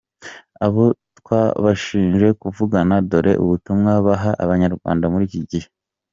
Abo twabashije kuvugana dore ubutumwa baha abanyarwanda muri iki gihe :